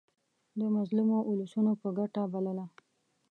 د مظلومو اولسونو په ګټه بلله.